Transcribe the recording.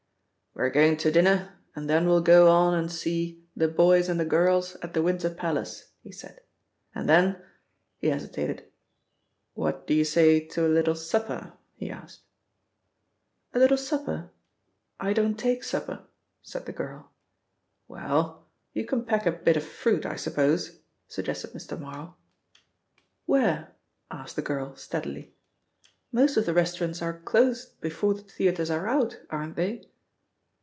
"We're going to dinner and then we'll go on and see 'The Boys and the Girls' at the Winter Palace," he said, "and then," he hesitated, "what do you say to a little supper?" he asked. "A little supper? I don't take supper," said the girl. "Well, you can peck a bit of fruit, I suppose?" suggested Mr. Marl "Where?" asked the girl steadily. "Most of the restaurants are closed before the theatres are out, aren't they?"